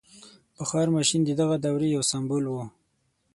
• بخار ماشین د دغې دورې یو سمبول و.